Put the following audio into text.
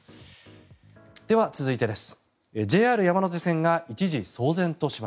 では、続いてです。